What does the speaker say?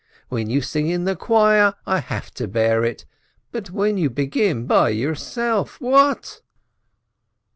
When you sing in the choir, I have to bear it, but when you begin by yourself — what?"